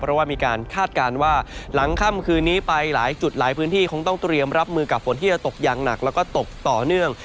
เพราะว่ามีการคาดการณ์ว่าหลังค่ำคืนนี้ไปหลายจุดหลายพื้นที่คงต้องเตรียมรับมือกับฝนที่จะตกอย่างหนักแล้วก็ตกต่อเนื่อง